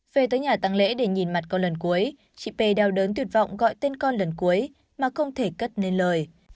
về tới nhà tăng lễ để nhìn mặt con lần cuối chị t t l p đau đớn tuyệt vọng gọi tên con lần cuối mà không thể cất lên lời